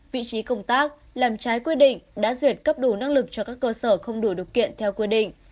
vị trí công tác làm trái quy định đã duyệt cấp đủ năng lực cho các cơ sở không đủ điều kiện theo quy định